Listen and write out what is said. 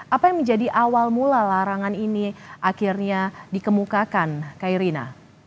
apa yang menjadi awal mula larangan ini akhirnya dikemukakan kairina